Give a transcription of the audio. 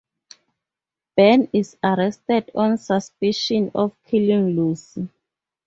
Ben is arrested on suspicion of killing Lucy.